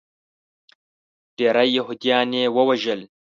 ډیری یهودیان یې ووژل.